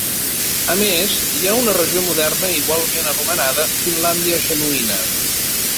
A més hi ha una regió moderna igualment anomenada Finlàndia Genuïna.